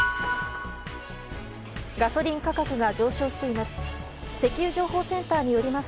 ガソリン価格が上昇しています。